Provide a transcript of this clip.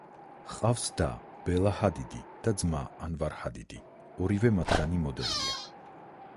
ჰყავს და ბელა ჰადიდი და ძმა ანვარ ჰადიდი, ორივე მათგანი მოდელია.